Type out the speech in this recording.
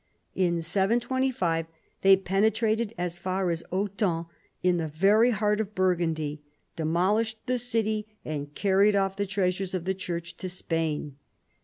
In 725 they pene trated as far as Autun, in the very heart of Bur gundy, demolished the city and carried off the treasures of the Church to Spain.